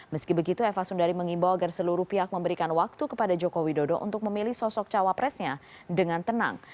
meski begitu eva sundari mengimbau agar seluruh pihak memberikan waktu kepada joko widodo untuk memilih sosok cawapresnya dengan tenang